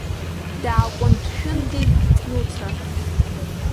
Дааҟәндшәындит Нуца.